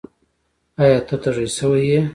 ایا؛ ته تږی شوی یې؟